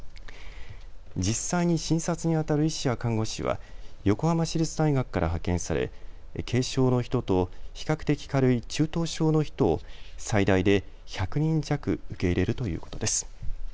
実際に診察にあたる医師や看護師は横浜市立大学から派遣され軽症の人と比較的軽い中等症の人を最大で１００人弱受け入れるということです。